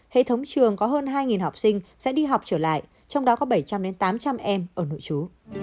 hệ thống trường có hơn hai học sinh sẽ đi học trở lại trong đó có bảy trăm linh tám trăm linh em ở nội trú